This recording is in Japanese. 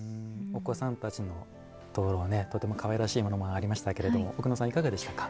お子さんたちの灯籠とてもかわいらしいものがありましたけれども奥野さん、いかがでしたか？